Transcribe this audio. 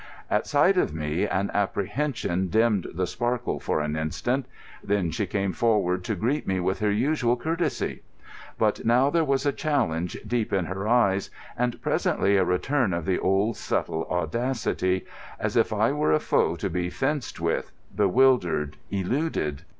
At sight of me an apprehension dimmed the sparkle for an instant. Then she came forward to greet me with her usual courtesy. But now there was a challenge deep in her eyes, and presently a return of the old subtle audacity, as if I were a foe to be fenced with, bewildered, eluded.